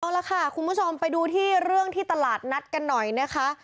เอาละค่ะคุณผู้ชมไปดูที่เรื่องที่ตลาดนัดกันหน่อยนะคะ